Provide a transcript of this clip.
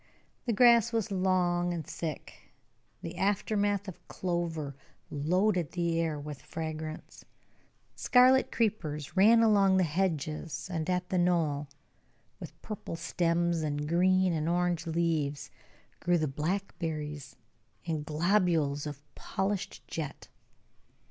The grass was long and thick, the aftermath of clover loaded the air with fragrance, scarlet creepers ran along the hedges, and at the knoll, with purple stems and green and orange leaves, grew the blackberries in globules of polished jet.